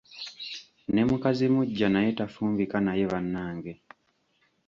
Ne mukazi muggya naye tafumbika naye bannange!